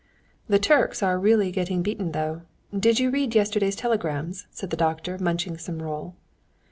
"The Turks are really getting beaten, though. Did you read yesterday's telegrams?" said the doctor, munching some roll.